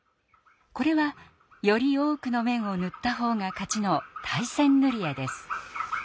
これはより多くの面を塗った方が勝ちの「対戦ぬり絵」です。